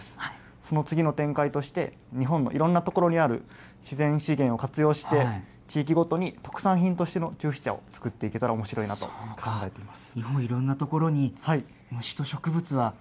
その次の展開として、日本のいろんな所にある自然資源を活用して、地域ごとに特産品としての虫秘茶を作っていけたらおもしろいなと考えています。